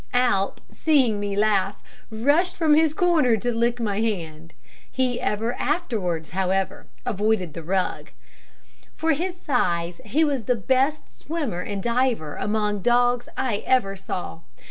Alp, seeing me laugh, rushed from his corner to lick my hand. He ever afterwards, however, avoided the rug. For his size, he was the best swimmer and diver among dogs I ever saw.